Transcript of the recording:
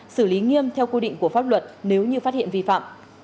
xử lý nghiêm theo quy định của pháp luật nếu như phát hiện vi phạm